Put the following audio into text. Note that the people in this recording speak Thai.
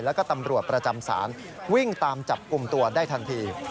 แล้วก็ตำรวจประจำศาลวิ่งตามจับกลุ่มตัวได้ทันที